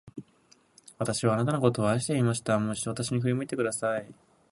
私はあなたのことを愛していました。もう一度、私に振り向いてください。